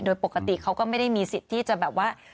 โดยปกติเขาก็ไม่ได้มีสิทธิ์ที่จะแบบว่า